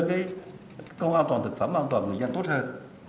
công an toàn thực phẩm an toàn người dân tốt hơn